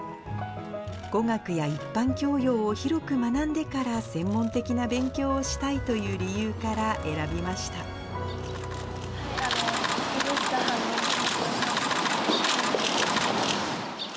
語学や一般教養を広く学んでから専門的な勉強をしたいという理由うれしさ半分、緊張半分です。